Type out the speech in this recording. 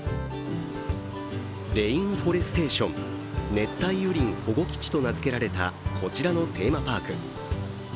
レインフォレステーション＝熱帯雨林保護基地と名付けられたこちらのテーマパーク。